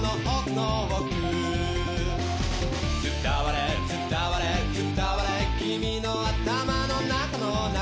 「伝われ伝われ伝われ君の頭の中の中」